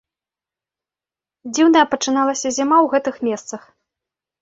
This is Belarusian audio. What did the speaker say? Дзіўная пачыналася зіма ў гэтых месцах.